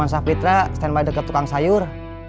stand by di deket tukang sayur